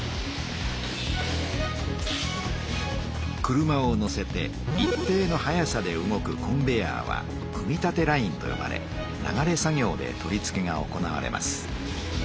車をのせて一定の速さで動くコンベヤーは組み立てラインとよばれ流れ作業で取り付けが行われます。